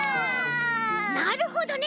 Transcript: なるほどね。